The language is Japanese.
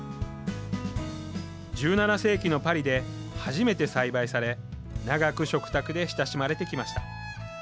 １７世紀のパリで初めて栽培され長く食卓で親しまれてきました。